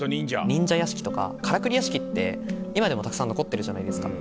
忍者屋敷とかからくり屋敷って今でもたくさん残ってるじゃないですか。